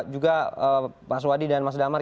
juga pak swadi dan mas damar